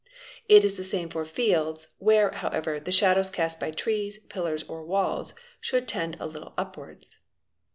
It is the same for fields, where, however, the shadows cast by trees, pillars, or walls, should tend a little upwards.